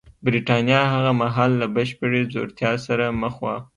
برېټانیا هغه مهال له بشپړې ځوړتیا سره مخ وه